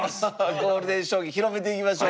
ゴールデン将棋広めていきましょう。